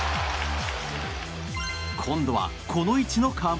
今度は、この位置の河村。